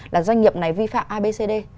là doanh nghiệp này vi phạm abcd